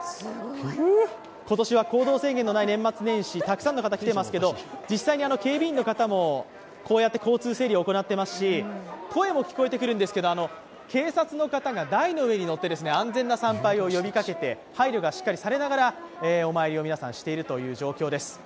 今年は行動制限のない年末年始、たくさんの人が来ていますけれども実際、警備員の方もこうやって交通整理を行っていますし、声も聞こえてくるんですけど、警察の方が台の上に乗って安全な参拝を呼びかけて配慮がしっかりされながらお参りを皆さんしているという状況です。